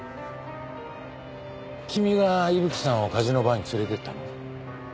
君が伊吹さんをカジノバーに連れていったの？